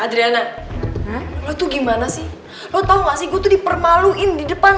adriana atau gimana sih lo tahu nggak sih gue tuh dipermaluin di depan